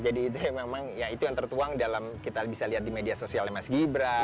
jadi itu memang ya itu yang tertuang dalam kita bisa lihat di media sosialnya mas gibran